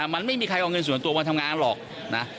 มันไม่มีใครเอาเงินส่วนตัวมาทำงานหรอกนะ